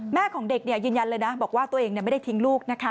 ของเด็กยืนยันเลยนะบอกว่าตัวเองไม่ได้ทิ้งลูกนะคะ